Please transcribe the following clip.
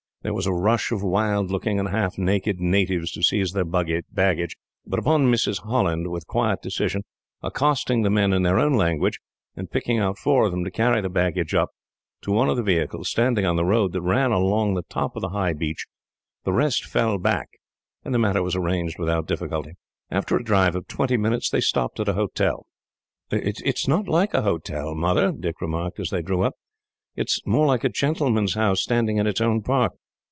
There was a rush of wild looking and half naked natives to seize their baggage; but upon Mrs. Holland, with quiet decision, accosting the men in their own language, and picking out four of them to carry the baggage up, to one of the vehicles standing on the road that ran along the top of the high beach, the rest fell back, and the matter was arranged without difficulty. After a drive of twenty minutes, they stopped at a hotel. "It is not like a hotel, Mother," Dick remarked, as they drew up. "It is more like a gentleman's house, standing in its own park."